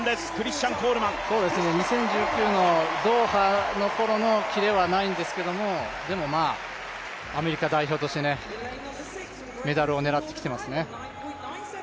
２０１９のドーハのころのキレはないんですけれども、でもアメリカ代表としてメダルを狙ってきていますね。